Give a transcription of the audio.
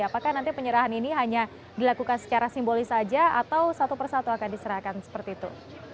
apakah nanti penyerahan ini hanya dilakukan secara simbolis saja atau satu persatu akan diserahkan seperti itu